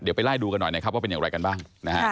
เดี๋ยวไปล่ายดูกันหน่อยว่าเป็นอย่างไรกันบ้าง